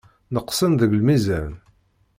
Neqsen deg lmizan.